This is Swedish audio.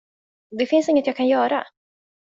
Det finns inget jag kan göra.